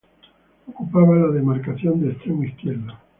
Ocupaba la demarcación de extremo izquierdo.